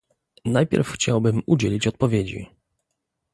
Najpierw chciałbym udzielić odpowiedzi